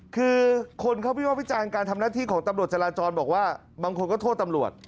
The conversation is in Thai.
คือคนเขาวิภาควิจารณ์การทำหน้าที่ของตำรวจจราจรบอกว่าบางคนก็โทษตำรวจ